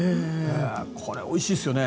これ、おいしいですよね。